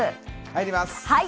入ります！